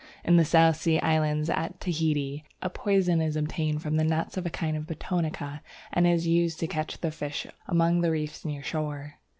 In the South Sea Islands, at Tahiti, a poison is obtained from the nuts of a kind of Betonica, and is used to catch the fish among the reefs near shore.